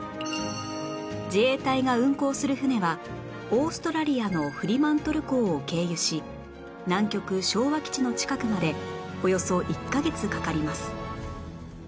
自衛隊が運航する船はオーストラリアのフリマントル港を経由し南極昭和基地の近くまでおよそ１カ月かかります